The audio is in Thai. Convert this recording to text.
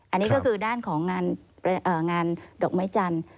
อันนี้ก็คือด้านของงานดอกไม้จันทร์